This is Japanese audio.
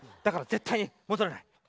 だから絶対に戻らない。